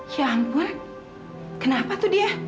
ya ampun kenapa tuh dia